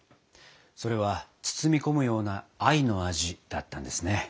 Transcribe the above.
それは包み込むような愛の味だったんですね。